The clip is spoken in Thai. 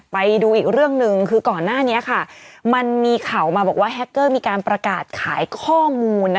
ไปดูอีกเรื่องหนึ่งคือก่อนหน้านี้ค่ะมันมีข่าวมาบอกว่าแฮคเกอร์มีการประกาศขายข้อมูล